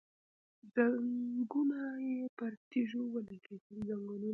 ځنګنونه يې پر تيږو ولګېدل.